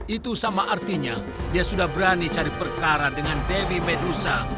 itu sama artinya dia sudah berani cari perkara dengan debbie medusa